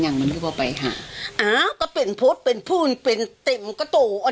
อย่างมันก็บอกไปหาอ้าวก็เป็นพุธเป็นผู้เป็นติ่มกระโตอัน